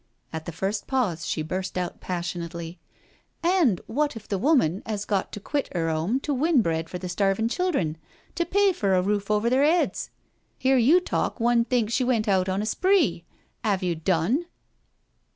At the first pause she burst out passionately: " And what if the woman 'as got to quit 'er 'ome to win bread for the starvin' children, to pay for a roof over their *eads? Hear you talk one*d think she went out on a spree. 'Ave you done?